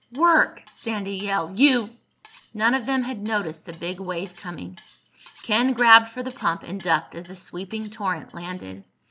"Work!" Sandy yelled. "You—" None of them had noticed the big wave coming. Ken grabbed for the pump and ducked as the sweeping torrent landed.